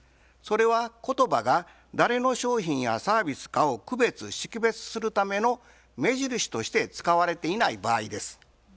それは言葉が「誰の商品やサービスかを区別・識別するための目印」として使われていない場合です。